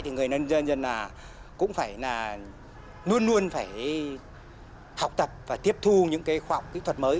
thì người dân dân cũng phải luôn luôn học tập và tiếp thu những khoa học kỹ thuật mới